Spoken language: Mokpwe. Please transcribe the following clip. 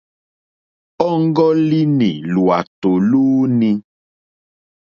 Ɔ́ŋɡɔ́línì lwàtò lúú!ní.